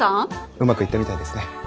うまくいったみたいですね。